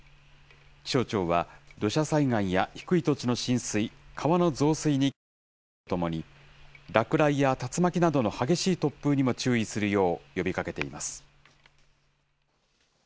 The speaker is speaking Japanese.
気象庁は土砂災害や低い土地の浸水、川の増水に警戒するとともに、落雷や竜巻などの激しい突風にも注意するよう呼びかけています。